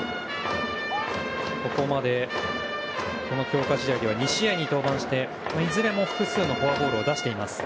ここまで強化試合では２試合に登板しいずれも複数のフォアボールを出しています。